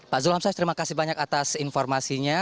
pak zulham syah terima kasih banyak atas informasinya